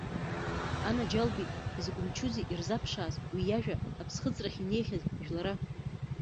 Анаџьалбеит, изакә мчузеи ирзаԥшааз уи иажәа аԥсхыҵрахь инеихьаз жәлара!